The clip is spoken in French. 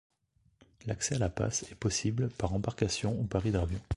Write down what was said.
L’accès à la passe est possible par embarcation ou par hydravion.